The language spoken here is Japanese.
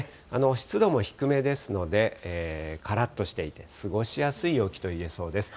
湿度も低めですので、からっとしていて、過ごしやすい陽気といえそうです。